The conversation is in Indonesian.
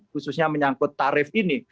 khususnya menyangkut tarif ini